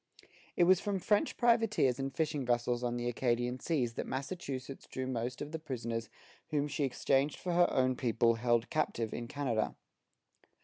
It was from French privateers and fishing vessels on the Acadian seas that Massachusetts drew most of the prisoners whom she exchanged for her own people held captive in Canada.